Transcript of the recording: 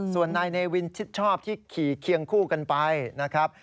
ส่วนนายเนวินชิดชอบที่ขี่เคียงคู่กันไปนะครับ